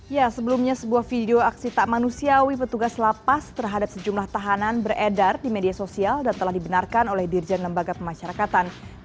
ya sebelumnya sebuah video aksi tak manusiawi petugas lapas terhadap sejumlah tahanan beredar di media sosial dan telah dibenarkan oleh dirjen lembaga pemasyarakatan